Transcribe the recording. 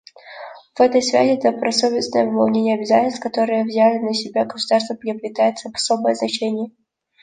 В этой связи добросовестное выполнение обязательств, которые взяли на себя государства, приобретает особое значение.